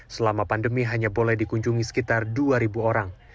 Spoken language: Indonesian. selama pandemi hanya boleh dikunjungi sekitar dua orang